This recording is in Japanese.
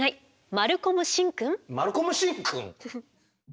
マルコム・シンくん？